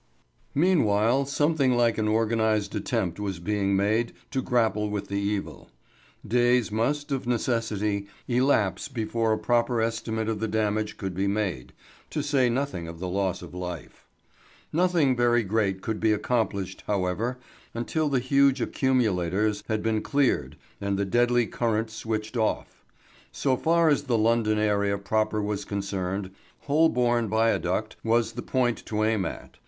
Meanwhile something like an organised attempt was being made to grapple with the evil. Days must, of necessity, elapse before a proper estimate of the damage could be made, to say nothing of the loss of life. Nothing very great could be accomplished, however, until the huge accumulators had been cleared and the deadly current switched off. So far as the London area proper was concerned, Holborn Viaduct was the point to aim at.